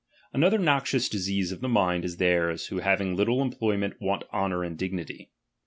Another noxious disease of the mind is theirs, who having little employment, want honour and dignity.